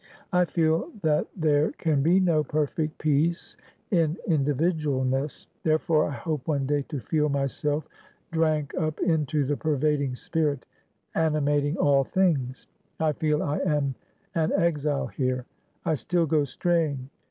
I feel that there can be no perfect peace in individualness. Therefore I hope one day to feel myself drank up into the pervading spirit animating all things. I feel I am an exile here. I still go straying.